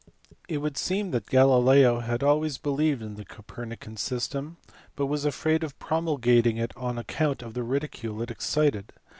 It would seem that Galileo had always believed in the Copernican system, but was afraid of promulgating it on account of the ridicule it excited.